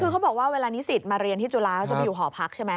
คือเขาบอกว่าเวลานิสิตมาเรียนที่จุฬาเขาจะไปอยู่หอพักใช่ไหม